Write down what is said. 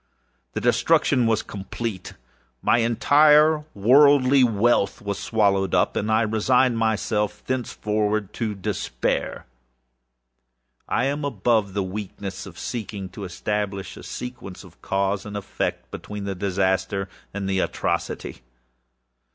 The destruction was complete. My entire worldly wealth was swallowed up, and I resigned myself thenceforward to despair. I am above the weakness of seeking to establish a sequence of cause and effect, between the disaster and the atrocity.